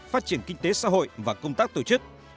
phát triển kinh tế xã hội và công tác tổ chức